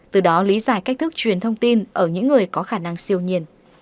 từ đó lý giải cách thức truyền thông tin ở những người có khả năng siêu nhiên